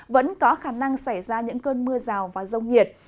vẫn có khả năng xảy ra những cơn mưa rào và rông nhiệt